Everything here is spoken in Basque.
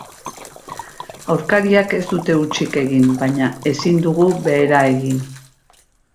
Aurkariak ez dute hutsik egin, baina ezin dugu behera egin.